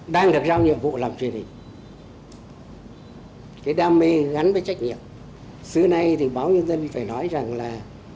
đam mê gắn với trách nhiệm xứ này thì báo nhân dân phải nói rằng là